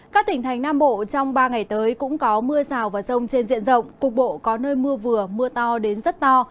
các tỉnh thành nam bộ trong ba ngày tới cũng có mưa rào và rông trên diện rộng cục bộ có nơi mưa vừa mưa to đến rất to